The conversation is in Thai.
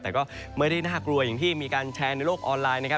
แต่ก็ไม่ได้น่ากลัวอย่างที่มีการแชร์ในโลกออนไลน์นะครับ